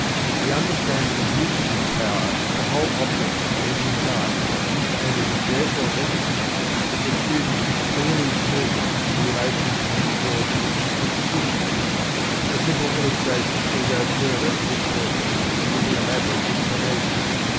The understanding and use of this power is the whole object of Mental Science, and it is therefore necessary that the student should clearly see the relation between causes and conditions. A simple illustration will go further for this purpose than any elaborate explanation.